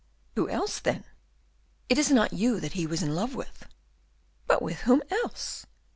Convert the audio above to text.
"Who else, then?" "It is not you that he was in love with!" "But with whom else?"